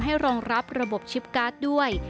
รองรับระบบชิปการ์ดด้วย